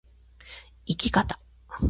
生き方